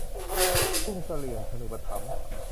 ทุ่งเสลี่ยมชนูปถัมภ์